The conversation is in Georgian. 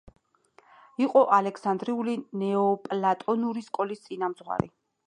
იყო ალექსანდრიული ნეოპლატონური სკოლის წინამძღვარი.